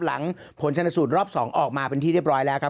หลังผลชนสูตรรอบ๒ออกมาเป็นที่เรียบร้อยแล้วครับ